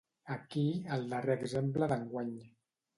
Aquí, el darrer exemple d'enguany.